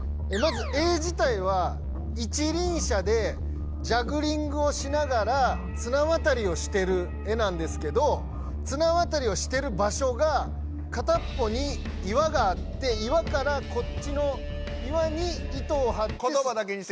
まず絵自体は一輪車でジャグリングをしながらつなわたりをしてる絵なんですけどつなわたりをしてる場所が片っぽに岩があって岩からこっちの岩に糸をはって。